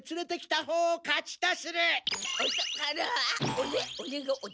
オレオレがお宝？